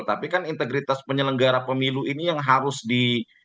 tapi kan integritas penyelenggara pemilu ini yang harus di